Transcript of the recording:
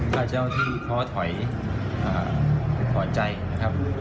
ถ้าเจ้าที่ท้อถอยขอใจนะครับ